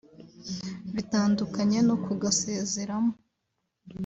bitandukanye no kugasezeramo